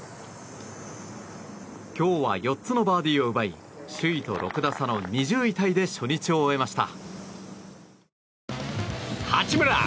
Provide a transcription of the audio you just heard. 今日は４つのバーディーを奪い首位と６打差の２０位タイで初日を終えました。